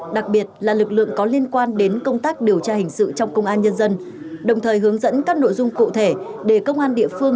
đặc biệt là lực lượng có liên quan đến công tác điều tra hình sự trong công an nhân dân